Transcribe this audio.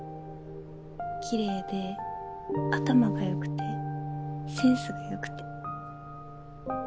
きれいで頭が良くてセンスが良くて。